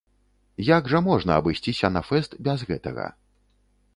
Як жа можна абысціся на фэст без гэтага.